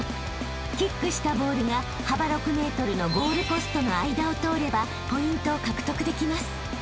［キックしたボールが幅６ｍのゴールポストの間を通ればポイントを獲得できます］